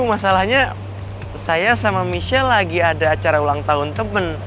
masalahnya saya sama michelle lagi ada acara ulang tahun temen